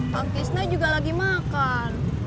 pak kisna juga lagi makan